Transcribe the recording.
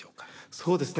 そうですね。